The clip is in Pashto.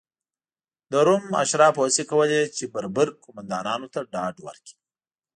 د روم اشرافو هڅې کولې چې بربر قومندانانو ته ډاډ ورکړي.